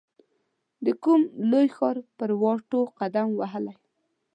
د کوم لوی ښار پر واټو قدم وهلی